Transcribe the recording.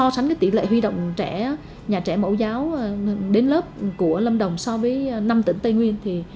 trong trẻ nhà trẻ mẫu giáo đến lớp của lâm đồng so với năm tỉnh tây nguyên